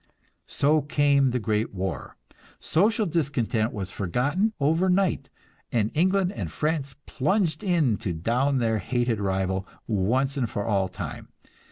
So came the great war. Social discontent was forgotten over night, and England and France plunged in to down their hated rival, once and for all time.